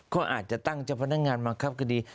ก็อาจจะตั้งเจ้าพนักงานบังคับคดี